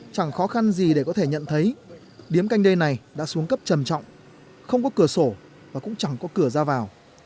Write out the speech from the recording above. chẳng khó khăn gì để có thể nhận thấy điếm canh đê này đã xuống cấp trầm trọng không có cửa sổ và cũng chẳng có cửa ra vào